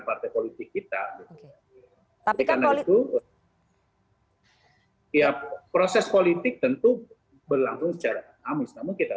partai politik kita karena itu tiap proses politik tentu berlangsung secara dinamis namun kita